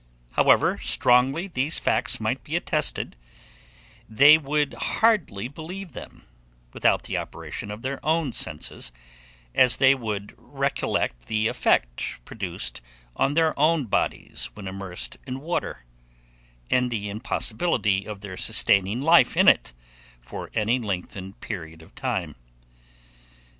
However strongly these facts might be attested, they would hardly believe them, without the operation of their own senses, as they would recollect the effect produced on their own bodies when immersed in water, and the impossibility of their sustaining life in it for any lengthened period of time.